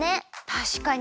たしかに。